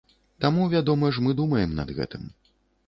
Таму вядома ж мы думаем над гэтым.